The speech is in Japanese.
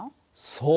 そう。